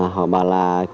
họ bảo là